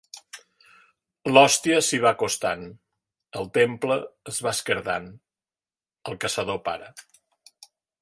L’hòstia s’hi va acostant... El temple es va esquerdant... El caçador para.